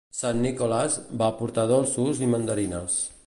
St. Nicholas va portar dolços i mandarines.